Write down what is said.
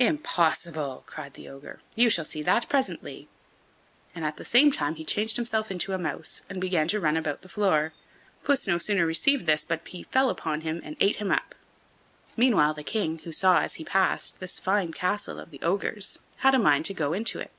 "Impossible!" cried the ogre; "you shall see that presently." And at the same time he changed himself into a mouse, and began to run about the floor. Puss no sooner perceived this but he fell upon him and ate him up. Meanwhile the King, who saw, as he passed, this fine castle of the ogre's, had a mind to go into it.